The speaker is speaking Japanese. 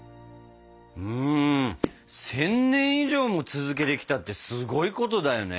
うん１，０００年以上も続けてきたってすごいことだよね！